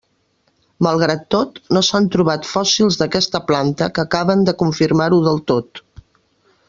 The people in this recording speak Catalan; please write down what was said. Malgrat tot, no s'han trobat fòssils d'aquesta planta que acaben de confirmar-ho del tot.